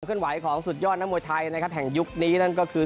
เคลื่อนไหวของสุดยอดนักมวยไทยนะครับแห่งยุคนี้นั่นก็คือ